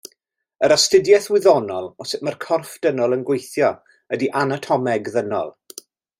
Yr astudiaeth wyddonol o sut mae'r corff dynol yn gweithio ydy anatomeg ddynol.